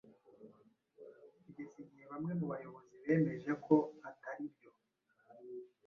kugeza igihe bamwe mu bayobozi bemeje ko ataribyo